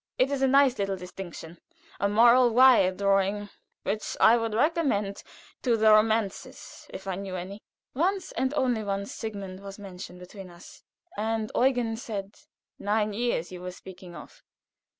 It is a nice little distinction a moral wire drawing which I would recommend to the romancers if I knew any." Once and only once was Sigmund mentioned between us, and Eugen said: "Nine years, were you speaking of?